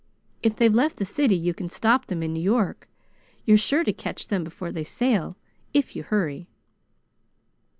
If they've left the city, you can stop them in New York. You're sure to catch them before they sail if you hurry."